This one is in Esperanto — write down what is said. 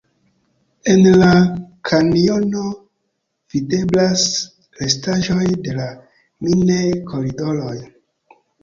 En la kanjono videblas restaĵoj de la minej-koridoroj.